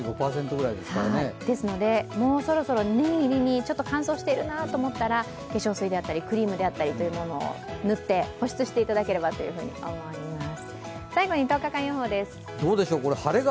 ですので、もうそろそろ念入りに乾燥しているなと思ったら化粧水やクリームを塗って保湿していただければと思います。